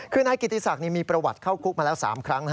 คือนายกิติศักดิ์มีประวัติเข้าคุกมาแล้ว๓ครั้ง